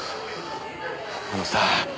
あのさあ